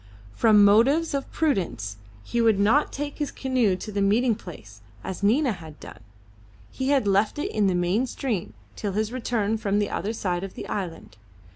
From motives of prudence he would not take his canoe to the meeting place, as Nina had done. He had left it in the main stream till his return from the other side of the island.